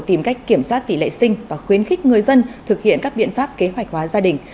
tìm cách kiểm soát tỷ lệ sinh và khuyến khích người dân thực hiện các biện pháp kế hoạch hóa gia đình